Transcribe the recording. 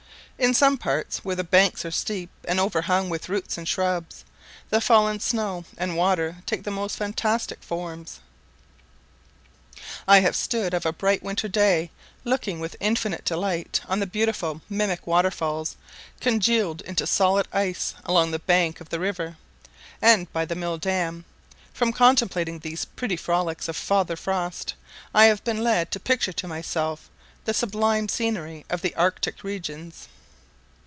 In some parts where the banks are steep and overhung with roots and shrubs, the fallen snow and water take the most fantastic forms. I have stood of a bright winter day looking with infinite delight on the beautiful mimic waterfalls congealed into solid ice along the bank of the river; and by the mill dam, from contemplating these petty frolics of Father Frost, I have been led to picture to myself the sublime scenery of the arctic regions.